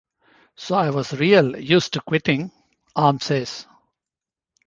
'So I was real used to quitting,' Arm says.